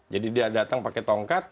jadi dia datang pakai tongkat